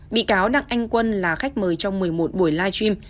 bị cáo đặng anh quân là khách mời trong một mươi một buổi live stream